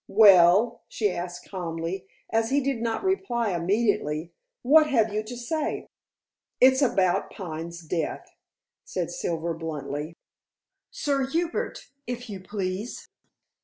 "Well?" she asked calmly, as he did not reply immediately. "What have you to say?" "It's about Pine's death," said Silver bluntly. "Sir Hubert, if you please."